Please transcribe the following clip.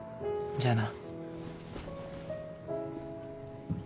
じゃあな。